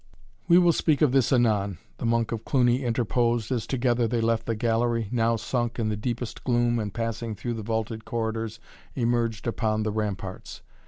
"We will speak of this anon," the Monk of Cluny interposed, as together they left the gallery, now sunk in the deepest gloom and, passing through the vaulted corridors, emerged upon the ramparts.